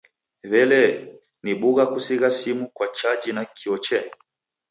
W'elee, ni bugha kusigha simu kwa chaji nakio chee?